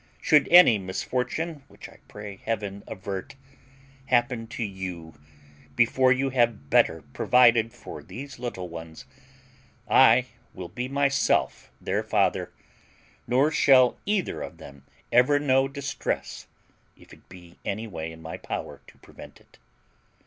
Should any misfortune, which I pray Heaven avert, happen to you before you have better provided for these little ones, I will be myself their father, nor shall either of them ever know distress if it be any way in my power to prevent it.